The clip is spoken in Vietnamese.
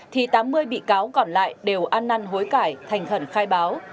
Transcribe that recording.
thì tám mươi bị cáo còn lại đều ăn năn hối cải thành khẩn khai báo